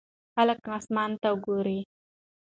خلک اسمان ته ګوري.